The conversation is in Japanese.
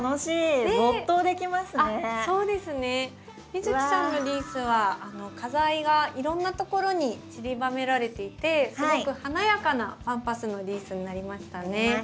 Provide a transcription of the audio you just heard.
美月さんのリースは花材がいろんなところにちりばめられていてすごく華やかなパンパスのリースになりましたね。